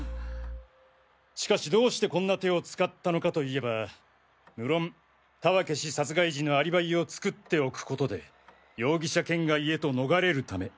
しかしどうしてこんな手を使ったのかといえば無論田分氏殺害時のアリバイを作っておくことで容疑者圏外へと逃がれるため。